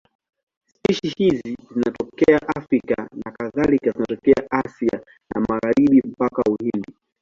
Spishi hizi zinatokea Afrika na kadhaa zinatokea Asia ya Magharibi mpaka Uhindi.